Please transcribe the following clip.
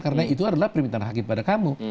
karena itu adalah permintaan hakim pada kamu